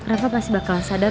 reva pasti bakal sadar